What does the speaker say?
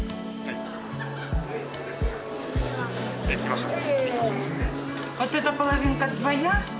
行きましょう。